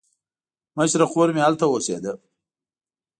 مشره خور مې هلته اوسېده.